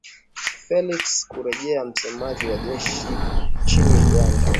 felix kureje msemaji wa jeshi nchini uganda